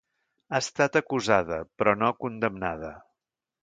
Ha estat acusada, però no condemnada.